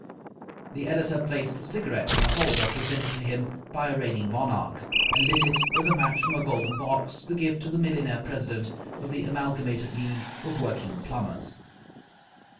The editor placed a cigarette in a holder presented to him by a reigning monarch, and lit it with a match from a golden box, the gift of the millionaire president of the Amalgamated League of Working Plumbers.